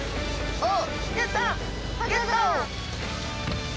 おっ。